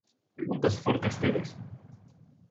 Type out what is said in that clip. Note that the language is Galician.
Que puntos fortes tedes?